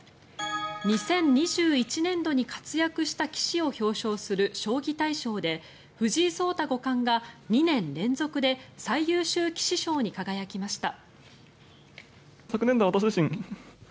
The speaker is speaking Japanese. ２０２１年度に活躍した棋士を表彰する将棋大賞で藤井聡太五冠が２年連続で最優秀棋士賞に輝きました。